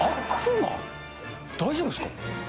大丈夫ですか？